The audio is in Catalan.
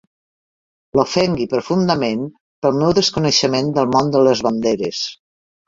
L'ofengui profundament pel meu desconeixement del món de les banderes.